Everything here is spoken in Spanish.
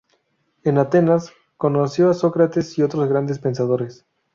En Atenas conoció a Sócrates y otros grandes pensadores.